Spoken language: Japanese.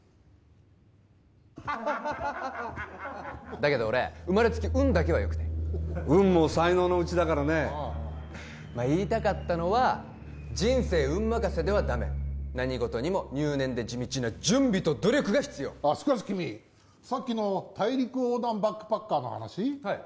だけど俺生まれつき運だけはよくて運も才能のうちだからね言いたかったのは人生運任せではダメ何事にも入念で地道な準備と努力が必要あっしかし君さっきの大陸横断バックパッカーの話はい